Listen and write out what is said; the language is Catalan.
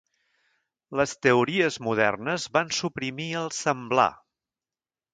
Les teories modernes van suprimir el "semblar".